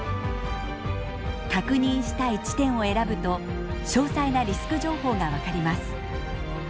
確認したい地点を選ぶと詳細なリスク情報が分かります。